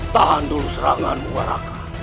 tahan dulu seranganmu raka